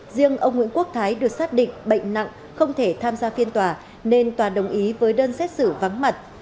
riêng ông nguyễn quốc thái được xác định bệnh nặng không thể tham gia phiên tòa nên tòa đồng ý với đơn xét xử vắng mặt